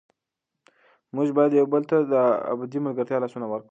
موږ باید یو بل ته د ابدي ملګرتیا لاسونه ورکړو.